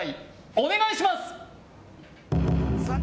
お願いします